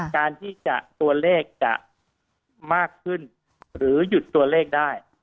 การที่จะตัวเลขจะมากขึ้นหรือหยุดตัวเลขได้